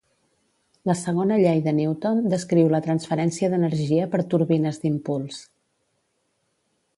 La segona llei de Newton descriu la transferència d'energia per turbines d'impuls.